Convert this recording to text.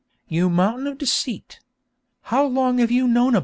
'You mountain of deceit! How long have you known about it?'